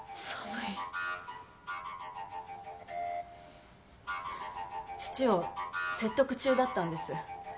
はぁ父を説得中だったんです。